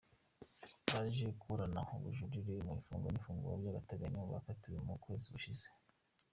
Baje kuburana ubujurire ku ifungwa n’ifungurwa ry’agateganyo bakatiwe mu kwezi gushize.